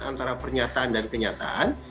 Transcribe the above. antara pernyataan dan kenyataan